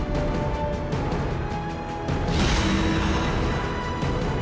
aku akan buktikan